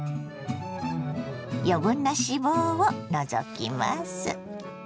余分な脂肪を除きます。